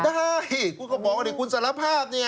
ได้กูก็บอกว่าคุณสารภาพ